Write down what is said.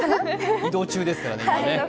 移動中ですからね、今。